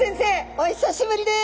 お久しぶりです！